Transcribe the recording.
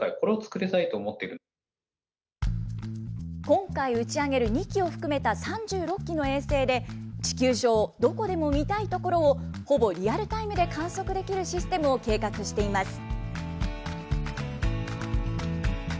今回打ち上げる２機を含めた、３６機の衛星で、地球上、どこでも見たい所をほぼリアルタイムで観測できるシステムを計画しています。